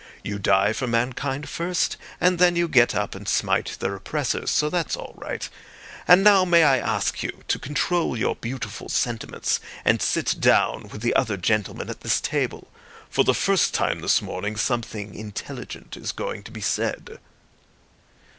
"You die for mankind first, and then you get up and smite their oppressors. So that's all right. And now may I ask you to control your beautiful sentiments, and sit down with the other gentlemen at this table. For the first time this morning something intelligent is going to be said."